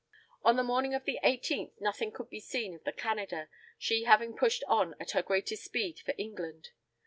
On the morning of the 18th nothing could be seen of the Canada, she having pushed on at her greatest speed for England.